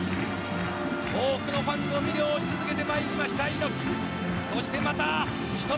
多くのファンを魅了し続けてまいりました猪木。